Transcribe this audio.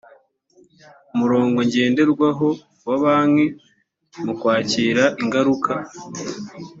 umurongo ngenderwaho wa banki mu kwakira ingaruka